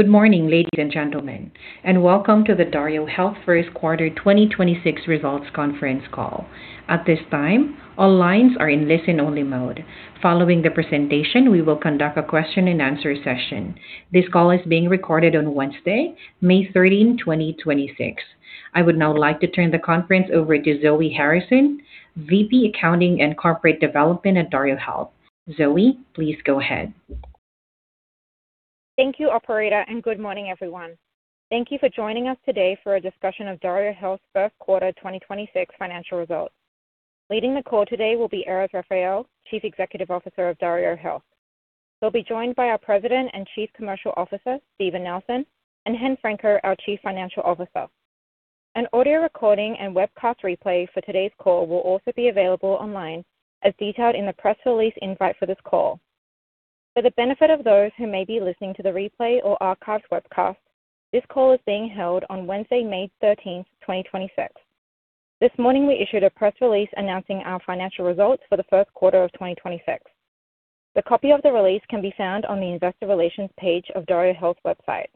Good morning, ladies and gentlemen, and welcome to the DarioHealth first quarter 2026 results conference call. This call is being recorded on Wednesday, May 13th, 2026. I would now like to turn the conference over to Zoe Harrison, VP Accounting and Corporate Development at DarioHealth. Zoe, please go ahead. Thank you, operator, and good morning, everyone. Thank you for joining us today for a discussion of DarioHealth's first quarter 2026 financial results. Leading the call today will be Erez Raphael, Chief Executive Officer of DarioHealth. He'll be joined by our President and Chief Commercial Officer, Steven Nelson, and Chen Franco-Yehuda, our Chief Financial Officer. An audio recording and webcast replay for today's call will also be available online, as detailed in the press release invite for this call. For the benefit of those who may be listening to the replay or archived webcast, this call is being held on Wednesday, May 13th, 2026. This morning, we issued a press release announcing our financial results for the first quarter of 2026. The copy of the release can be found on the Investor Relations page of DarioHealth's website.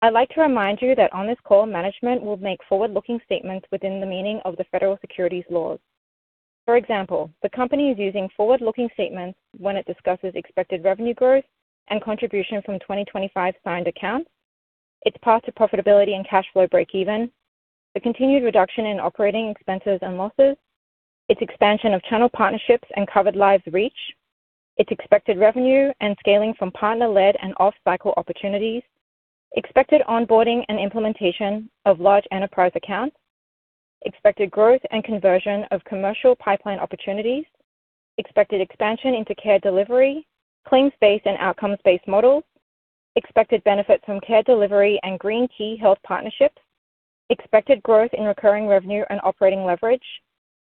I'd like to remind you that on this call, management will make forward-looking statements within the meaning of the Federal Securities laws. For example, the company is using forward-looking statements when it discusses expected revenue growth and contribution from 2025 signed accounts, its path to profitability and cash flow break even, the continued reduction in operating expenses and losses, its expansion of channel partnerships and covered lives reach, its expected revenue and scaling from partner-led and off-cycle opportunities, expected onboarding and implementation of large enterprise accounts, expected growth and conversion of commercial pipeline opportunities, expected expansion into care delivery, claims-based and outcomes-based models, expected benefits from care delivery and Green Key Health partnerships, expected growth in recurring revenue and operating leverage,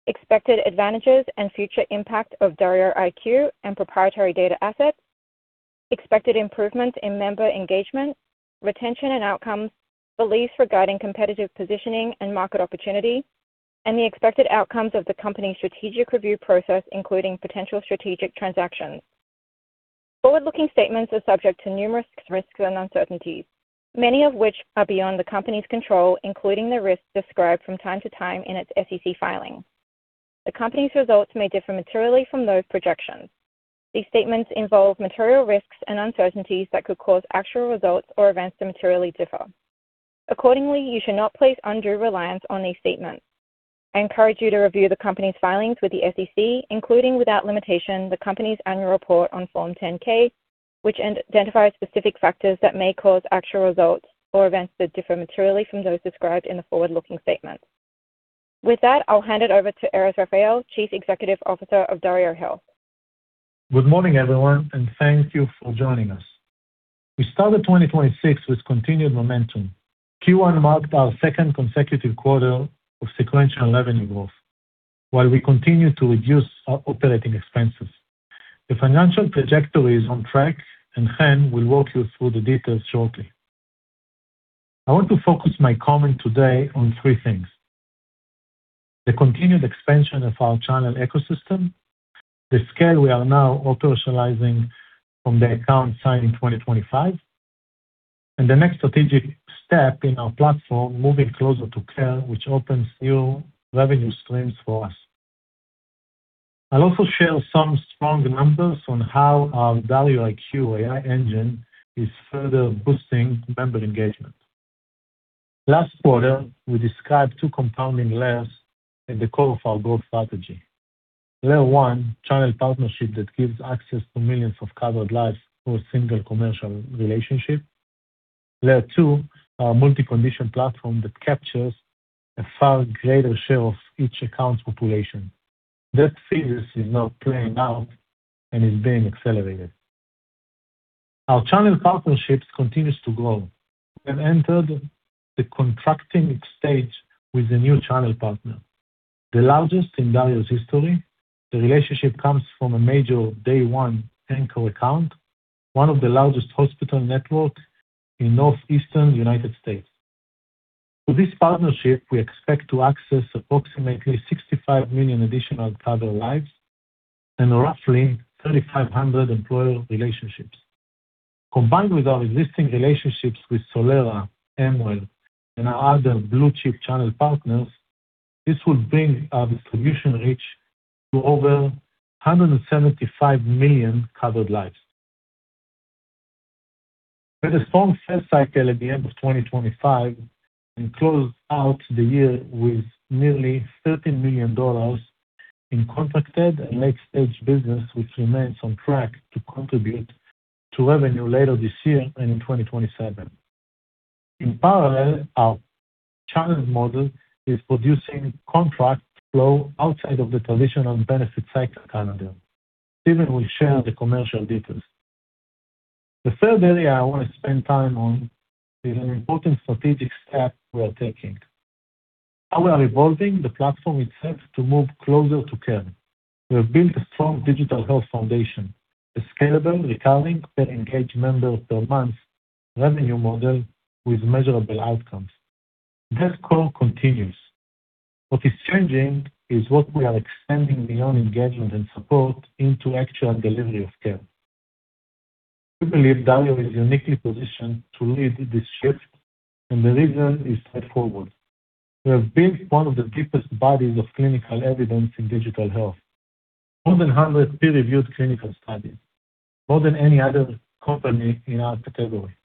expected advantages and future impact of DarioIQ and proprietary data assets, expected improvements in member engagement, retention and outcomes, beliefs regarding competitive positioning and market opportunity, and the expected outcomes of the company's strategic review process, including potential strategic transactions. Forward-looking statements are subject to numerous risks and uncertainties, many of which are beyond the company's control, including the risks described from time to time in its SEC filing. The company's results may differ materially from those projections. These statements involve material risks and uncertainties that could cause actual results or events to materially differ. Accordingly, you should not place undue reliance on these statements. I encourage you to review the company's filings with the SEC, including, without limitation, the company's annual report on Form 10-K, which identifies specific factors that may cause actual results or events to differ materially from those described in the forward-looking statements. With that, I'll hand it over to Erez Raphael, Chief Executive Officer of DarioHealth. Good morning, everyone, and thank you for joining us. We started 2026 with continued momentum. Q1 marked our second consecutive quarter of sequential revenue growth while we continue to reduce our operating expenses. The financial trajectory is on track. Chen will walk you through the details shortly. I want to focus my comment today on three things: the continued expansion of our channel ecosystem, the scale we are now operationalizing from the account signed in 2025, and the next strategic step in our platform, moving closer to care, which opens new revenue streams for us. I'll also share some strong numbers on how our DarioIQ AI engine is further boosting member engagement. Last quarter, we described two compounding layers in the core of our growth strategy. Layer 1, channel partnership that gives access to millions of covered lives through a single commercial relationship. Layer 2, our multi-condition platform that captures a far greater share of each account's population. That phase is now playing out and is being accelerated. Our channel partnerships continues to grow and entered the contracting stage with a new channel partner, the largest in DarioHealth's history. The relationship comes from a major day 1 anchor account, one of the largest hospital networks in Northeastern U.S. Through this partnership, we expect to access approximately 65 million additional covered lives and roughly 3,500 employer relationships. Combined with our existing relationships with Solera, Amwell, and our other blue-chip channel partners, this will bring our distribution reach to over 175 million covered lives. We had a strong sales cycle at the end of 2025 and closed out the year with nearly $13 million in contracted and late-stage business, which remains on track to contribute to revenue later this year and in 2027. Steven will share the commercial details. The third area I want to spend time on is an important strategic step we are taking. How we are evolving the platform itself to move closer to care. We have built a strong digital health foundation, a scalable, recurring, per engaged member per month revenue model with measurable outcomes. That core continues. What is changing is what we are extending beyond engagement and support into actual delivery of care. We believe Dario is uniquely positioned to lead this shift. The reason is straightforward. We have built one of the deepest bodies of clinical evidence in digital health. More than 100 peer-reviewed clinical studies, more than any other company in our category,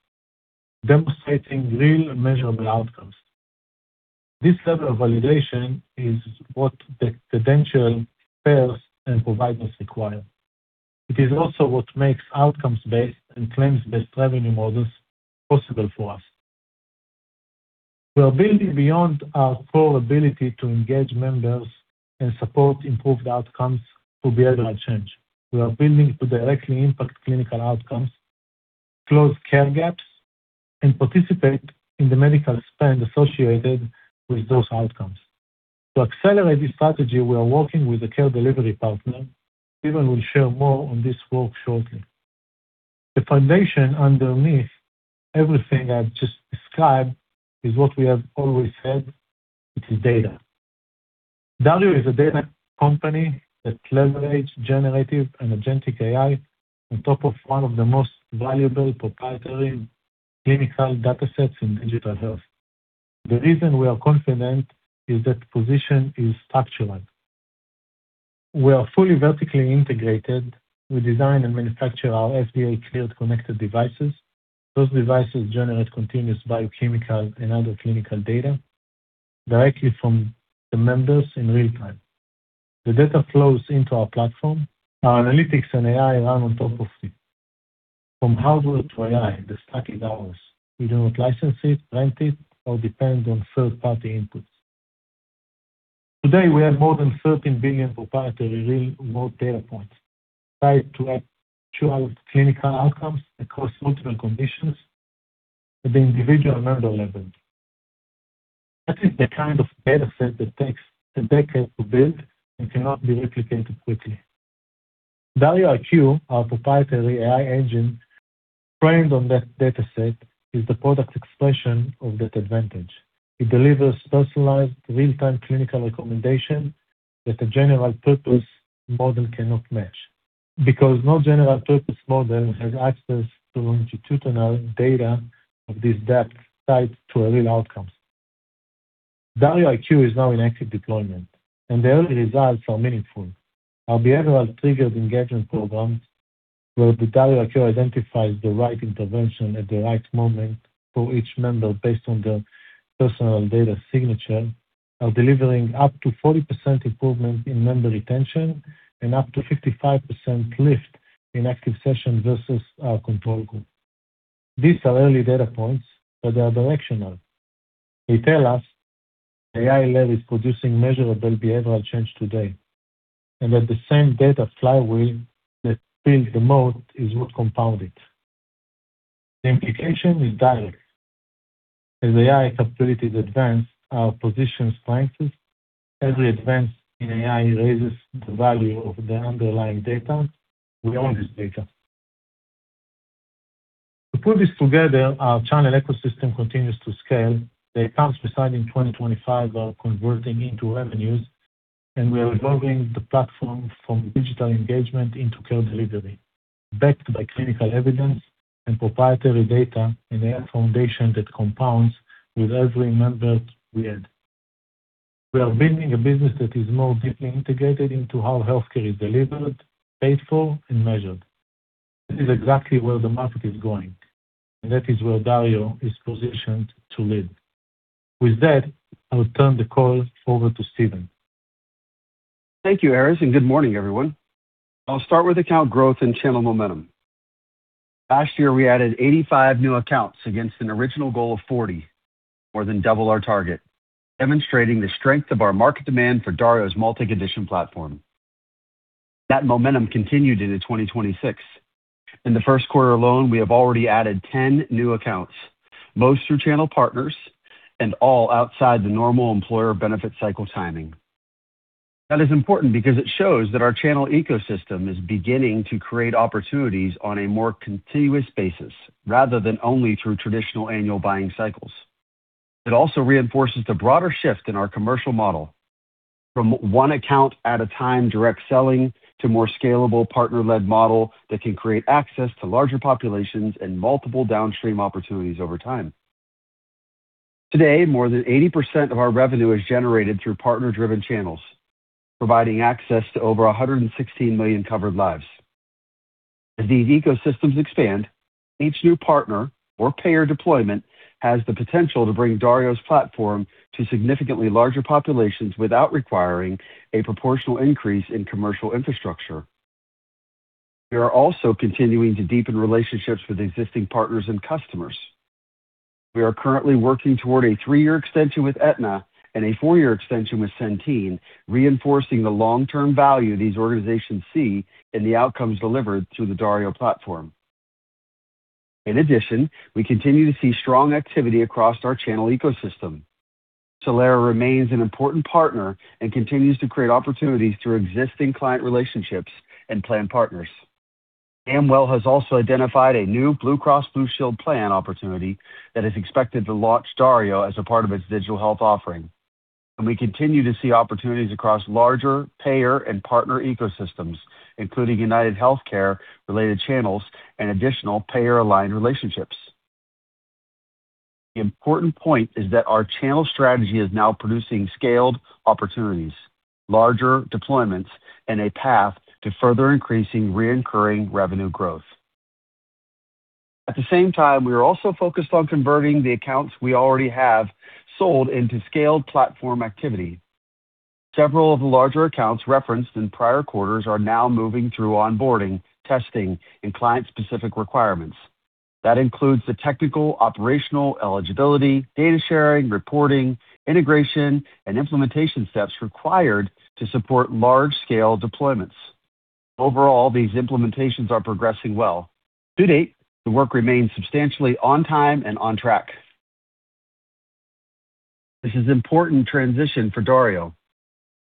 demonstrating real and measurable outcomes. This level of validation is what the credential payers and providers require. It is also what makes outcomes-based and claims-based revenue models possible for us. We are building beyond our core ability to engage members and support improved outcomes through behavioral change. We are building to directly impact clinical outcomes, close care gaps, and participate in the medical spend associated with those outcomes. To accelerate this strategy, we are working with a care delivery partner. Steven will share more on this work shortly. The foundation underneath everything I've just described is what we have always said, which is data. Dario is a data company that leverages generative and agentic AI on top of one of the most valuable proprietary clinical datasets in digital health. The reason we are confident is that position is structural. We are fully vertically integrated. We design and manufacture our FDA-cleared connected devices. Those devices generate continuous biochemical and other clinical data directly from the members in real time. The data flows into our platform. Our analytics and AI run on top of it. From hardware to AI, the stack is ours. We do not license it, rent it, or depend on third-party inputs. Today, we have more than 13 billion proprietary real-world data points tied to actual clinical outcomes across multiple conditions at the individual member level. That is the kind of dataset that takes a decade to build and cannot be replicated quickly. DarioIQ, our proprietary AI engine trained on that dataset, is the product expression of that advantage. It delivers personalized real-time clinical recommendation that the general-purpose model cannot match because no general-purpose model has access to longitudinal data of this depth tied to real outcomes. DarioIQ is now in active deployment, and the early results are meaningful. Our behavioral triggered engagement program, where the DarioIQ identifies the right intervention at the right moment for each member based on their personal data signature, are delivering up to 40% improvement in member retention and up to 55% lift in active sessions versus our control group. These are early data points, but they are directional. They tell us AI-led is producing measurable behavioral change today and that the same data flywheel that builds the moat is what compound it. The implication is direct. As AI capabilities advance, our position strengthens. Every advance in AI raises the value of the underlying data. We own this data. To pull this together, our channel ecosystem continues to scale. The accounts we signed in 2025 are converting into revenues, and we are evolving the platform from digital engagement into care delivery, backed by clinical evidence and proprietary data and AI foundation that compounds with every member we add. We are building a business that is more deeply integrated into how healthcare is delivered, paid for, and measured. This is exactly where the market is going, and that is where Dario is positioned to lead. With that, I will turn the call over to Steven. Thank you, Erez. Good morning, everyone. I'll start with account growth and channel momentum. Last year, we added 85 new accounts against an original goal of 40, more than double our target, demonstrating the strength of our market demand for Dario's multi-condition platform. That momentum continued into 2026. In the first quarter alone, we have already added 10 new accounts, most through channel partners and all outside the normal employer benefit cycle timing. That is important because it shows that our channel ecosystem is beginning to create opportunities on a more continuous basis rather than only through traditional annual buying cycles. It also reinforces the broader shift in our commercial model from one account at a time direct selling to more scalable partner-led model that can create access to larger populations and multiple downstream opportunities over time. Today, more than 80% of our revenue is generated through partner-driven channels, providing access to over 116 million covered lives. As these ecosystems expand, each new partner or payer deployment has the potential to bring Dario's platform to significantly larger populations without requiring a proportional increase in commercial infrastructure. We are also continuing to deepen relationships with existing partners and customers. We are currently working toward a 3-year extension with Aetna, a 4-year extension with Centene, reinforcing the long-term value these organizations see in the outcomes delivered through the Dario platform. In addition, we continue to see strong activity across our channel ecosystem. Solera remains an important partner and continues to create opportunities through existing client relationships and plan partners. Amwell has also identified a new Blue Cross Blue Shield plan opportunity that is expected to launch Dario as a part of its digital health offering. We continue to see opportunities across larger payer and partner ecosystems, including UnitedHealthcare-related channels and additional payer-aligned relationships. The important point is that our channel strategy is now producing scaled opportunities, larger deployments, and a path to further increasing recurring revenue growth. At the same time, we are also focused on converting the accounts we already have sold into scaled platform activity. Several of the larger accounts referenced in prior quarters are now moving through onboarding, testing, and client-specific requirements. That includes the technical, operational, eligibility, data sharing, reporting, integration, and implementation steps required to support large-scale deployments. Overall, these implementations are progressing well. To date, the work remains substantially on time and on track. This is important transition for Dario.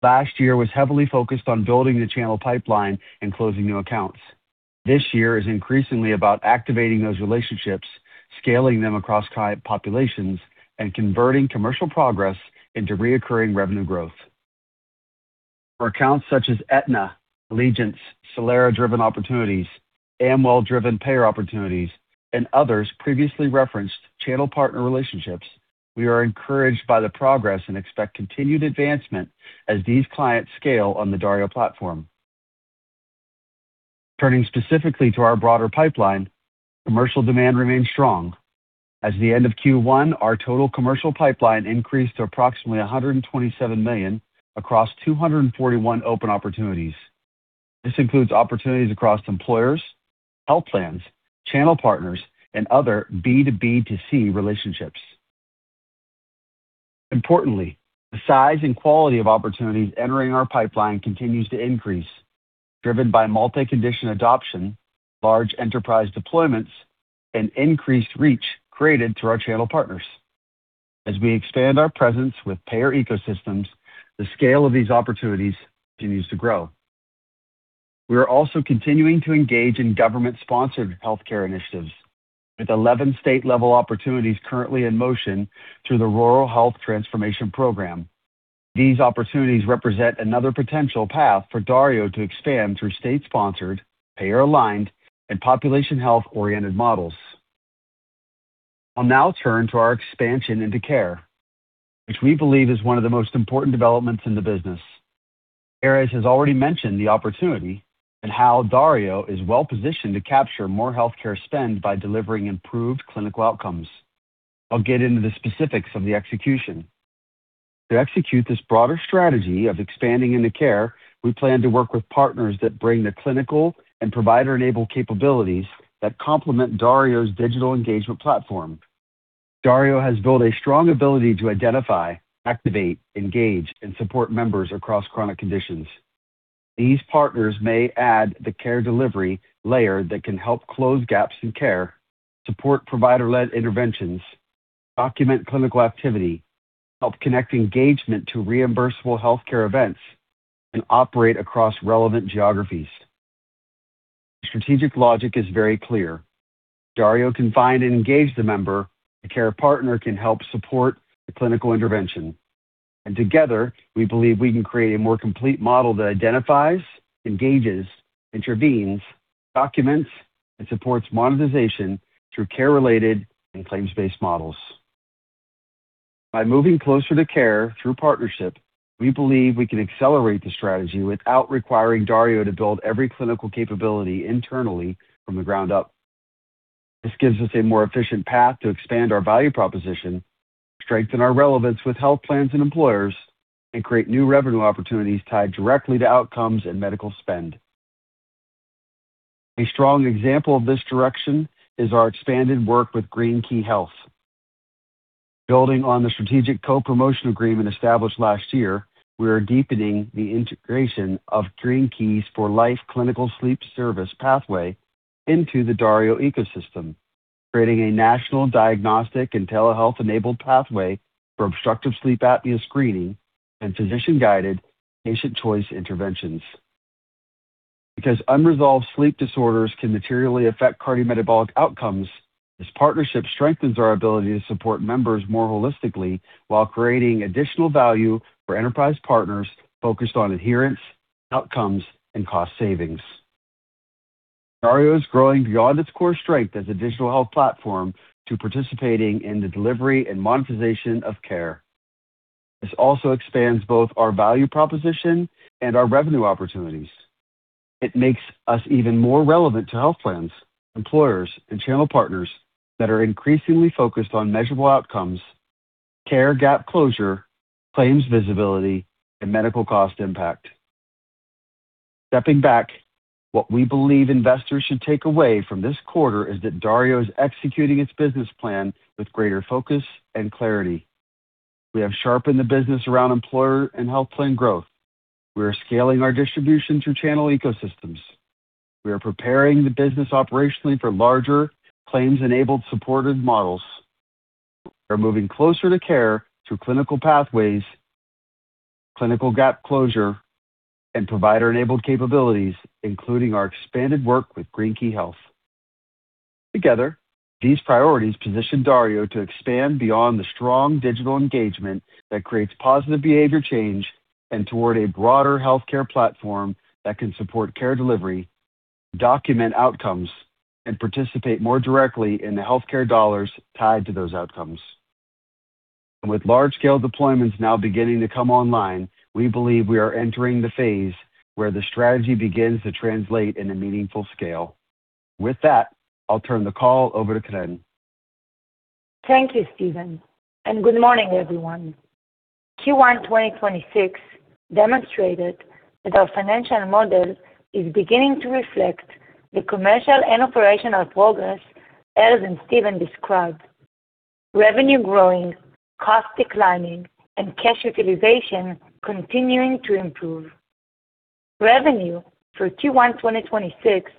Last year was heavily focused on building the channel pipeline and closing new accounts. This year is increasingly about activating those relationships, scaling them across client populations, and converting commercial progress into reoccurring revenue growth. For accounts such as Aetna, Allegiance, Solera-driven opportunities, Amwell-driven payer opportunities, and others previously referenced channel partner relationships, we are encouraged by the progress and expect continued advancement as these clients scale on the Dario platform. Turning specifically to our broader pipeline, commercial demand remains strong. As the end of Q1, our total commercial pipeline increased to approximately $127 million across 241 open opportunities. This includes opportunities across employers, health plans, channel partners, and other B2B2C relationships. Importantly, the size and quality of opportunities entering our pipeline continues to increase, driven by multi-condition adoption, large enterprise deployments, and increased reach created through our channel partners. As we expand our presence with payer ecosystems, the scale of these opportunities continues to grow. We are also continuing to engage in government-sponsored healthcare initiatives, with 11 state-level opportunities currently in motion through the Rural Health Transformation Program. These opportunities represent another potential path for Dario to expand through state-sponsored, payer-aligned, and population health-oriented models. I'll now turn to our expansion into care, which we believe is one of the most important developments in the business. Erez Raphael has already mentioned the opportunity and how Dario is well-positioned to capture more healthcare spend by delivering improved clinical outcomes. I'll get into the specifics of the execution. To execute this broader strategy of expanding into care, we plan to work with partners that bring the clinical and provider-enabled capabilities that complement Dario's digital engagement platform. Dario has built a strong ability to identify, activate, engage, and support members across chronic conditions. These partners may add the care delivery layer that can help close gaps in care, support provider-led interventions, document clinical activity, help connect engagement to reimbursable healthcare events, and operate across relevant geographies. The strategic logic is very clear. If Dario can find and engage the member, the care partner can help support the clinical intervention. Together, we believe we can create a more complete model that identifies, engages, intervenes, documents, and supports monetization through care-related and claims-based models. By moving closer to care through partnership, we believe we can accelerate the strategy without requiring Dario to build every clinical capability internally from the ground up. This gives us a more efficient path to expand our value proposition, strengthen our relevance with health plans and employers, and create new revenue opportunities tied directly to outcomes and medical spend. A strong example of this direction is our expanded work with GreenKey Health. Building on the strategic co-promotion agreement established last year, we are deepening the integration of GreenKey's For Life clinical sleep service pathway into the Dario ecosystem, creating a national diagnostic and telehealth-enabled pathway for obstructive sleep apnea screening and physician-guided patient choice interventions. Because unresolved sleep disorders can materially affect cardiometabolic outcomes, this partnership strengthens our ability to support members more holistically while creating additional value for enterprise partners focused on adherence, outcomes, and cost savings. Dario is growing beyond its core strength as a digital health platform to participating in the delivery and monetization of care. This also expands both our value proposition and our revenue opportunities. It makes us even more relevant to health plans, employers, and channel partners that are increasingly focused on measurable outcomes, care gap closure, claims visibility, and medical cost impact. Stepping back, what we believe investors should take away from this quarter is that Dario is executing its business plan with greater focus and clarity. We have sharpened the business around employer and health plan growth. We are scaling our distribution through channel ecosystems. We are preparing the business operationally for larger claims-enabled supported models. We are moving closer to care through clinical pathways. Clinical gap closure and provider-enabled capabilities, including our expanded work with Green Key Health. Together, these priorities position Dario to expand beyond the strong digital engagement that creates positive behavior change and toward a broader healthcare platform that can support care delivery, document outcomes, and participate more directly in the healthcare dollars tied to those outcomes. With large-scale deployments now beginning to come online, we believe we are entering the phase where the strategy begins to translate in a meaningful scale. With that, I'll turn the call over to Keren. Thank you, Steven. Good morning, everyone. Q1 2026 demonstrated that our financial model is beginning to reflect the commercial and operational progress Erez and Steven described. Revenue growing, cost declining, and cash utilization continuing to improve. Revenue for Q1 2026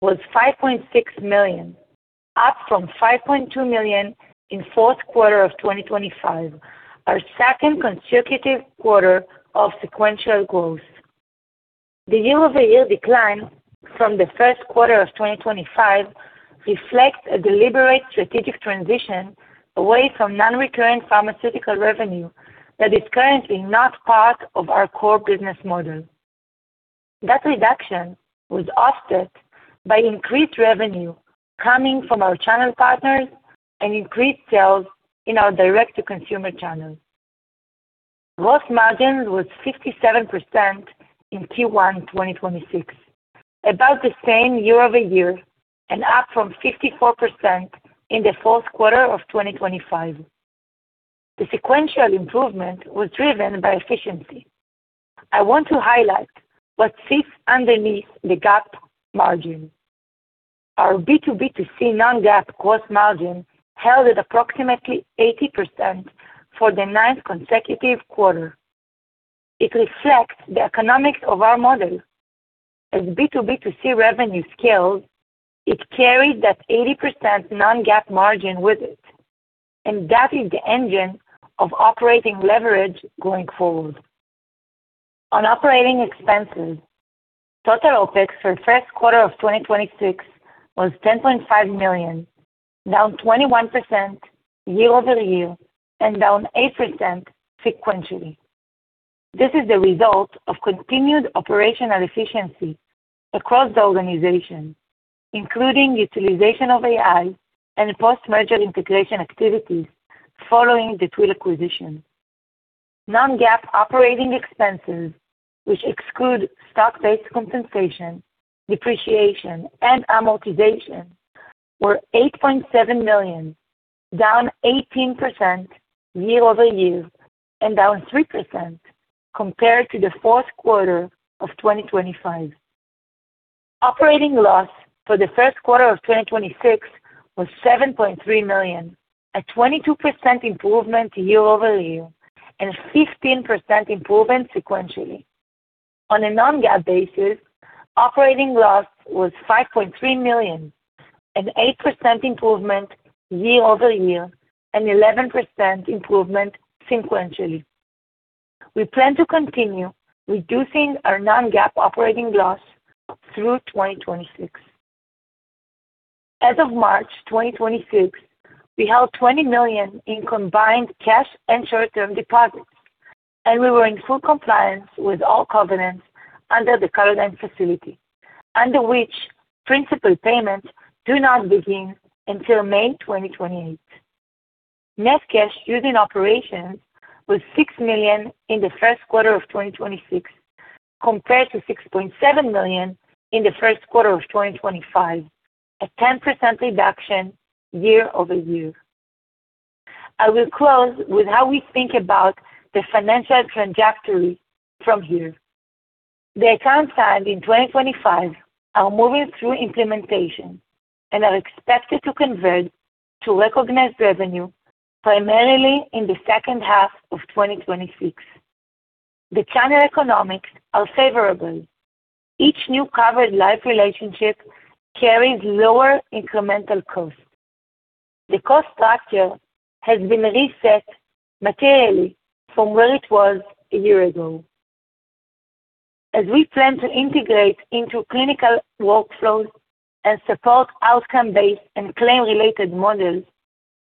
was $5.6 million, up from $5.2 million in fourth quarter of 2025, our second consecutive quarter of sequential growth. The year-over-year decline from the first quarter of 2025 reflects a deliberate strategic transition away from non-recurrent pharmaceutical revenue that is currently not part of our core business model. That reduction was offset by increased revenue coming from our channel partners and increased sales in our direct-to-consumer channels. Gross margin was 57% in Q1 2026, about the same year-over-year and up from 54% in the fourth quarter of 2025. The sequential improvement was driven by efficiency. I want to highlight what sits underneath the GAAP margin. Our B2B2C non-GAAP gross margin held at approximately 80% for the ninth consecutive quarter. It reflects the economics of our model. As B2B2C revenue scales, it carried that 80% non-GAAP margin with it, and that is the engine of operating leverage going forward. On operating expenses, total OpEx for the first quarter of 2026 was $10.5 million, down 21% year-over-year and down 8% sequentially. This is the result of continued operational efficiency across the organization, including utilization of AI and post-merger integration activities following the Twill acquisition. Non-GAAP operating expenses, which exclude stock-based compensation, depreciation, and amortization, were $8.7 million, down 18% year-over-year and down 3% compared to the fourth quarter of 2025. Operating loss for the first quarter of 2026 was $7.3 million, a 22% improvement year-over-year and 15% improvement sequentially. On a non-GAAP basis, operating loss was $5.3 million, an 8% improvement year-over-year and 11% improvement sequentially. We plan to continue reducing our non-GAAP operating loss through 2026. As of March 2026, we held $20 million in combined cash and short-term deposits, and we were in full compliance with all covenants under the OrbiMed facility, under which principal payments do not begin until May 2028. Net cash used in operations was $6 million in the first quarter of 2026, compared to $6.7 million in the first quarter of 2025, a 10% reduction year-over-year. I will close with how we think about the financial trajectory from here. The accounts signed in 2025 are moving through implementation and are expected to convert to recognized revenue primarily in the second half of 2026. The channel economics are favorable. Each new covered life relationship carries lower incremental cost. The cost structure has been reset materially from where it was a year ago. As we plan to integrate into clinical workflows and support outcome-based and claim-related models,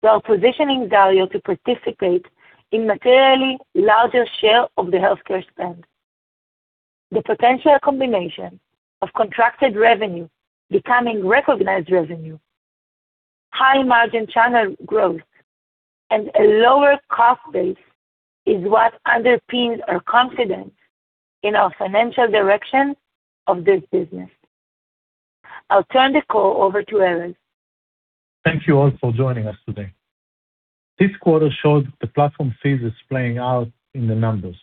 we are positioning DarioHealth to participate in materially larger share of the healthcare spend. The potential combination of contracted revenue becoming recognized revenue, high margin channel growth, and a lower cost base is what underpins our confidence in our financial direction of this business. I'll turn the call over to Erez. Thank you all for joining us today. This quarter showed the platform fees is playing out in the numbers.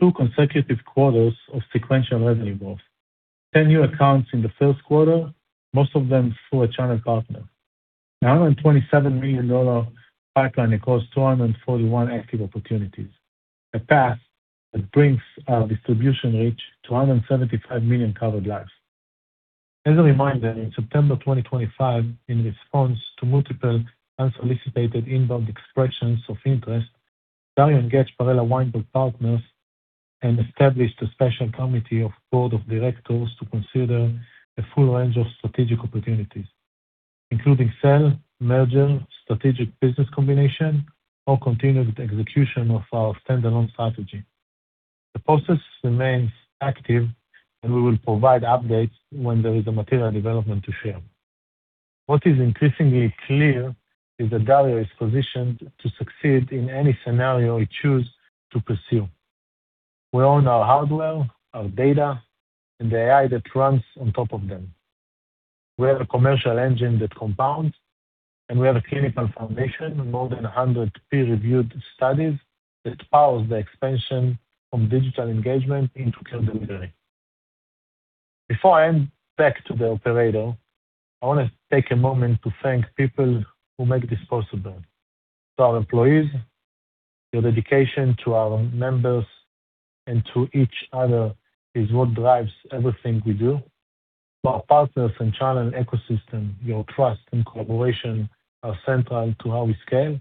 Two consecutive quarters of sequential revenue growth. 10 new accounts in the first quarter, most of them through a channel partner. A $127 million pipeline across 241 active opportunities, a path that brings our distribution reach to 175 million covered lives. As a reminder, in September 2025, in response to multiple unsolicited inbound expressions of interest, DarioHealth engaged Perella Weinberg Partners and established a special committee of board of directors to consider a full range of strategic opportunities, including sale, merger, strategic business combination, or continued execution of our standalone strategy. The process remains active, and we will provide updates when there is a material development to share. What is increasingly clear is that Dario is positioned to succeed in any scenario we choose to pursue. We own our hardware, our data, and the AI that runs on top of them. We have a commercial engine that compounds, and we have a clinical foundation of more than 100 peer-reviewed studies that powers the expansion from digital engagement into care delivery. Before I hand back to the operator, I want to take a moment to thank people who make this possible. To our employees, your dedication to our members and to each other is what drives everything we do. To our partners and channel ecosystem, your trust and collaboration are central to how we scale.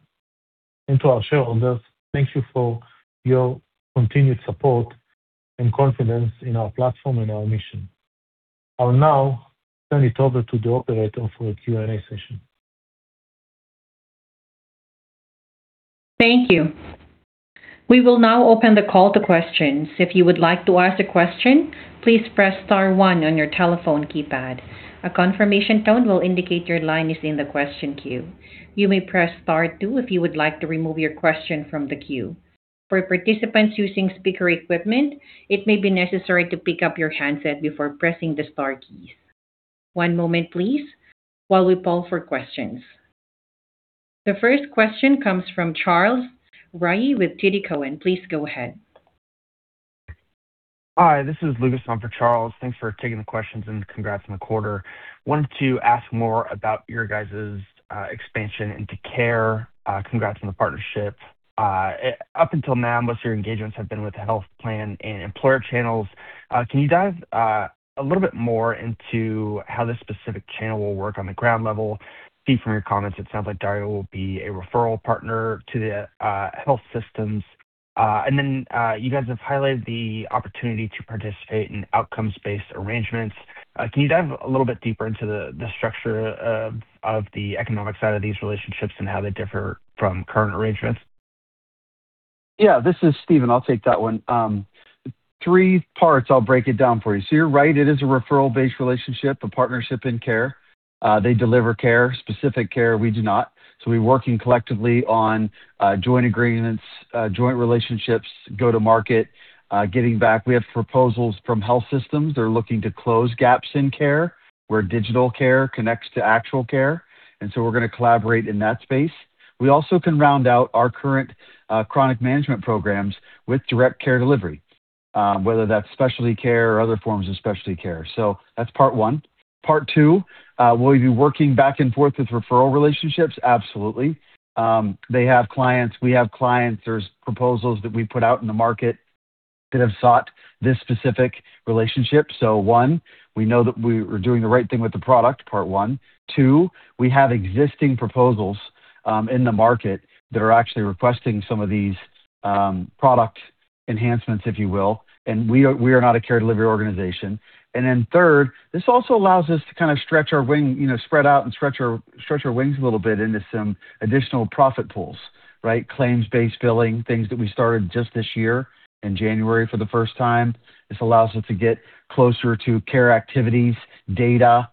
To our shareholders, thank you for your continued support and confidence in our platform and our mission. I will now turn it over to the operator for a Q&A session. Thank you. We will now open the call to questions. If you would like to ask a question, please press star one on your telephone keypad. A confirmation tone will indicate your line is in the question queue. You may press star two if you would like to remove your question from the queue. For participants using speaker equipment, it may be necessary to pick up your handset before pressing the star keys. One moment please while we poll for questions. The first question comes from Charles Rhyee with TD Cowen. Please go ahead. Hi, this is Lucas on for Charles. Thanks for taking the questions and congrats on the quarter. I wanted to ask more about your guys' expansion into care. Congrats on the partnership. Up until now, most of your engagements have been with health plan and employer channels. Can you dive a little bit more into how this specific channel will work on the ground level? Steve, from your comments, it sounds like DarioHealth will be a referral partner to the health systems. Then, you guys have highlighted the opportunity to participate in outcomes-based arrangements. Can you dive a little bit deeper into the structure of the economic side of these relationships and how they differ from current arrangements? Yeah. This is Steven. I'll take that one. Three parts, I'll break it down for you. You're right, it is a referral-based relationship, a partnership in care. They deliver care, specific care. We do not. We're working collectively on joint agreements, joint relationships, go to market, getting back. We have proposals from health systems. They're looking to close gaps in care where digital care connects to actual care, we're gonna collaborate in that space. We also can round out our current chronic management programs with direct care delivery, whether that's specialty care or other forms of specialty care. That's part one. Part two, will you be working back and forth with referral relationships? Absolutely. They have clients. We have clients. There's proposals that we put out in the market that have sought this specific relationship. One, we know that we're doing the right thing with the product, part one. Two, we have existing proposals in the market that are actually requesting some of these product enhancements, if you will, and we are not a care delivery organization. Third, this also allows us to kind of stretch our wing, you know, spread out and stretch our wings a little bit into some additional profit pools, right? Claims-based billing, things that we started just this year in January for the first time. This allows us to get closer to care activities, data,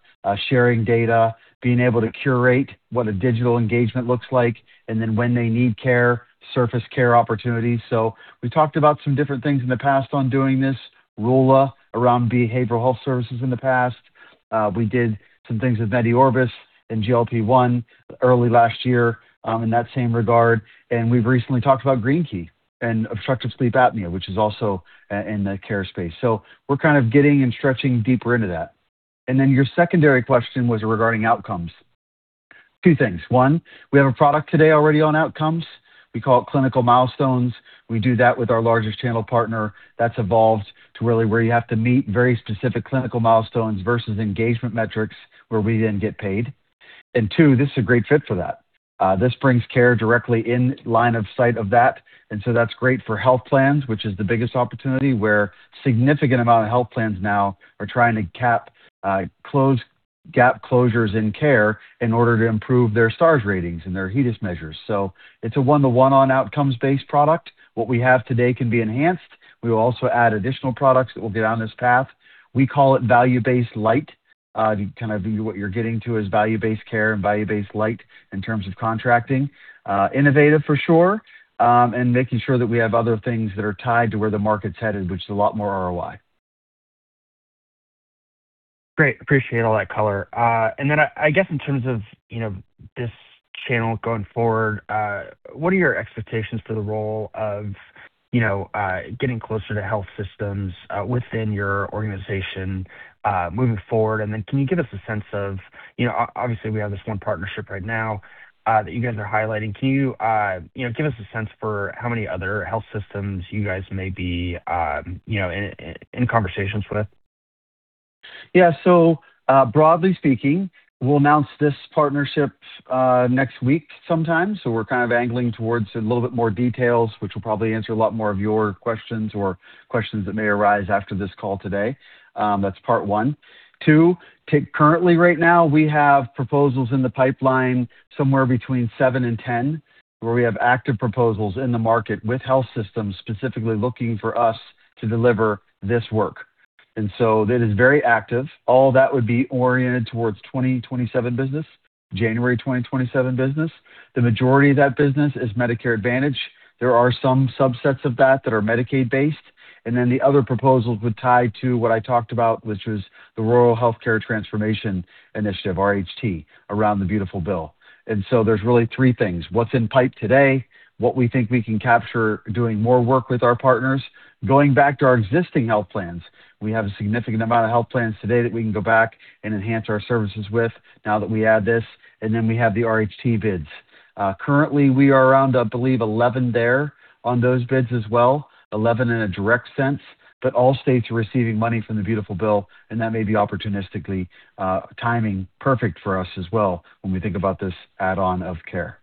sharing data, being able to curate what a digital engagement looks like, and then when they need care, surface care opportunities. We've talked about some different things in the past on doing this. Rula, around behavioral health services in the past. We did some things with MediOrbis and GLP-1 early last year in that same regard. We've recently talked about Greenkey and obstructive sleep apnea, which is also in the care space. We're kind of getting and stretching deeper into that. Your secondary question was regarding outcomes. Two things. One, we have a product today already on outcomes. We call it clinical milestones. We do that with our largest channel partner. That's evolved to really where you have to meet very specific clinical milestones versus engagement metrics where we then get paid. Two, this is a great fit for that. This brings care directly in line of sight of that's great for health plans, which is the biggest opportunity, where significant amount of health plans now are trying to close gap closures in care in order to improve their Star Ratings and their HEDIS measures. It's a 1-to-1 on outcomes-based product. What we have today can be enhanced. We will also add additional products that will go down this path. We call it value-based light. Kind of what you're getting to is value-based care and value-based light in terms of contracting. Innovative for sure, making sure that we have other things that are tied to where the market's headed, which is a lot more ROI. Great. Appreciate all that color. I guess in terms of, you know, this channel going forward, what are your expectations for the role of, you know, getting closer to health systems moving forward? Can you give us a sense of, you know, obviously, we have this one partnership right now that you guys are highlighting. Can you know, give us a sense for how many other health systems you guys may be, you know, in conversations with? Broadly speaking, we'll announce this partnership next week sometime. We're kind of angling towards a little bit more details, which will probably answer a lot more of your questions or questions that may arise after this call today. That's part one. Two, currently right now, we have proposals in the pipeline, somewhere between 7 and 10, where we have active proposals in the market with health systems specifically looking for us to deliver this work. That is very active. All that would be oriented towards 2027 business, January 2027 business. The majority of that business is Medicare Advantage. There are some subsets of that that are Medicaid based. The other proposals would tie to what I talked about, which was the Rural Health Transformation initiative, RHT, around the Beautiful Bill. There's really 3 things. What's in pipe today, what we think we can capture doing more work with our partners. Going back to our existing health plans, we have a significant amount of health plans today that we can go back and enhance our services with now that we add this. We have the RHT bids. Currently, we are around, I believe, 11 there on those bids as well. 11 in a direct sense. All states are receiving money from the Beautiful Bill, and that may be opportunistically timing perfect for us as well when we think about this add-on of care.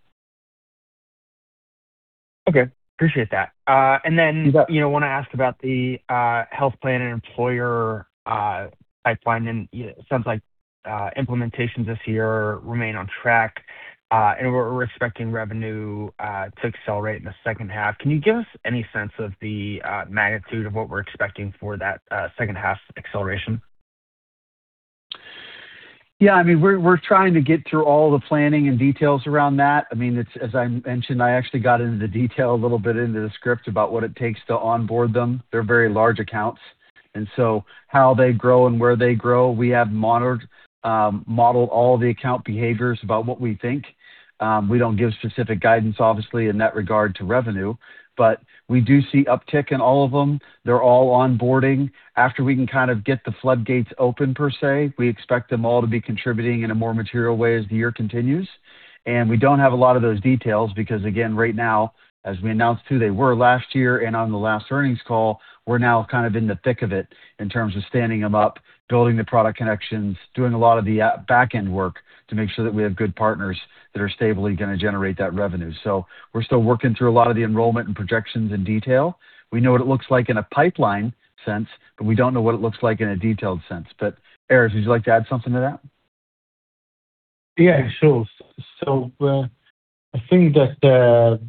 Okay. Appreciate that. You got- You know, wanna ask about the health plan and employer pipeline and, you know, it sounds like implementations this year remain on track, and we're expecting revenue to accelerate in the second half. Can you give us any sense of the magnitude of what we're expecting for that second half acceleration? Yeah. I mean, we're trying to get through all the planning and details around that. I mean, it's as I mentioned, I actually got into the detail a little bit into the script about what it takes to onboard them. They're very large accounts, so how they grow and where they grow, we have monitored, modeled all the account behaviors about what we think. We don't give specific guidance, obviously, in that regard to revenue, we do see uptick in all of them. They're all onboarding. After we can kind of get the floodgates open per se, we expect them all to be contributing in a more material way as the year continues. We don't have a lot of those details because, again, right now, as we announced who they were last year and on the last earnings call, we're now kind of in the thick of it in terms of standing them up, building the product connections, doing a lot of the backend work to make sure that we have good partners that are stably gonna generate that revenue. We're still working through a lot of the enrollment and projections in detail. We know what it looks like in a pipeline sense, but we don't know what it looks like in a detailed sense. Erez, would you like to add something to that? Yeah, sure. I think that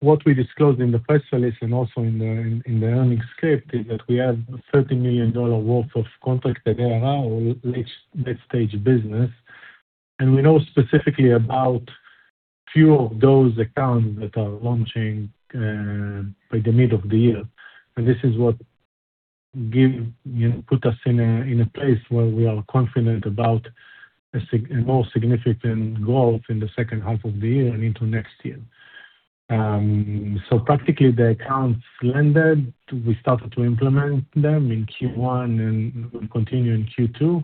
what we disclosed in the press release and also in the earnings script is that we have $30 million worth of contracts that are now late mid-stage business. We know specifically about few of those accounts that are launching by the mid of the year. This is what give, you know, put us in a place where we are confident about a more significant growth in the second half of the year and into next year. Practically the accounts landed. We started to implement them in Q1, we'll continue in Q2.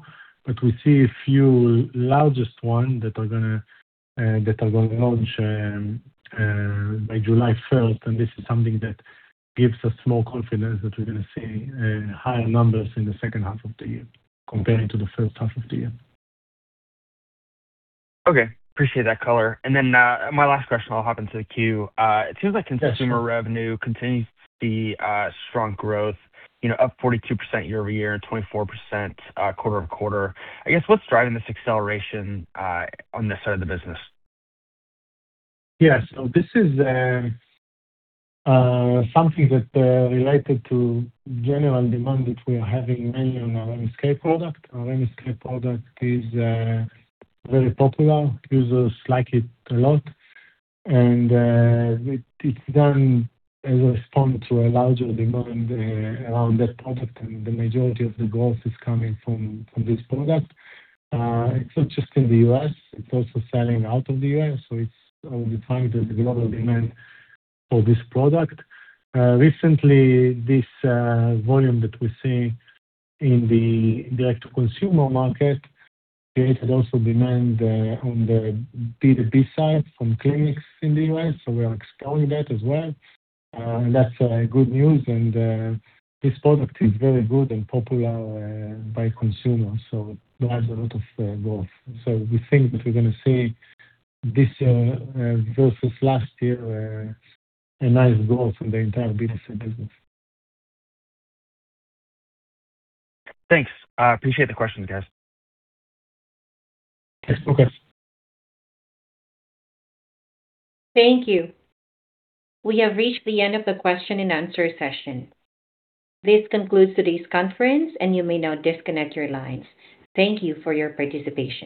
We see a few largest one that are gonna launch by July 1st. This is something that gives us more confidence that we're gonna see higher numbers in the second half of the year comparing to the first half of the year. Okay. Appreciate that color. Then, my last question, I'll hop into the queue. Yeah, sure. consumer revenue continues to be, strong growth, you know, up 42% year-over-year and 24%, quarter-over-quarter. I guess, what's driving this acceleration, on this side of the business? Yeah. This is something that related to general demand that we are having mainly on our landscape product. Our landscape product is very popular. Users like it a lot. It's done as a response to a larger demand around that product, and the majority of the growth is coming from this product. It's not just in the U.S., it's also selling out of the U.S. It's, we find there's a lot of demand for this product. Recently, this volume that we're seeing in the direct to consumer market created also demand on the B2B side from clinics in the U.S., we are exploring that as well. That's good news. This product is very good and popular by consumers, drives a lot of growth. We think that we're gonna see this year, versus last year, a nice growth in the entire B2C business. Thanks. I appreciate the questions, guys. Yes. Okay. Thank you. We have reached the end of the question and answer session. This concludes today's conference, and you may now disconnect your lines. Thank you for your participation.